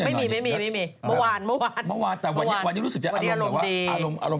ไม่มีวันวานแต่วันนี้รู้สึกจะอารมณ์แบบว่าอารมณ์เฉยดู